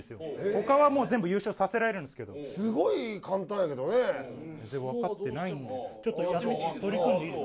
他はもう全部優勝させられるんですけどすごい簡単やけどね全然分かってないんでちょっとやってみていいですか？